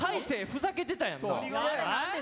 ふざけてたやん。